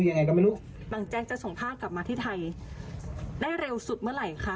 ยังไงก็ไม่รู้บางแจ๊กจะส่งท่ากลับมาที่ไทยได้เร็วสุดเมื่อไหร่คะ